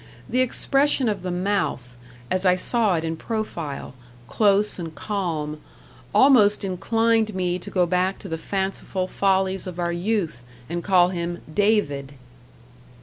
The expression of the mouth, as I saw it in profile close and calm almost inclined me to go back to the fanciful follies of our youth, and call him "David."